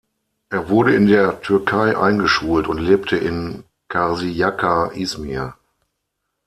Er wurde in der Türkei eingeschult und lebte in Karşıyaka, İzmir.